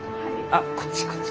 あっこっちこっち。